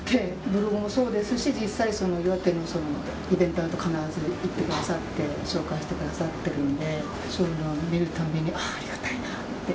ブログもそうですし実際、岩手のイベントだと必ず行ってくださって紹介してくださっているのでそういうのを見る度にありがたいなって。